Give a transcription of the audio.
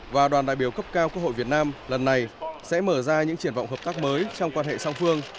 và đoàn đại biểu cấp cao quốc hội việt nam lần này sẽ mở ra những triển vọng hợp tác mới trong quan hệ song phương